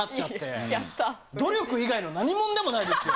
努力以外の何ものでもないですよ。